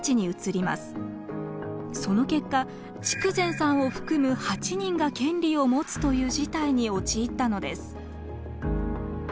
その結果筑前さんを含む８人が権利を持つという事態に陥ったのです。